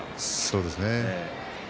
そうですね。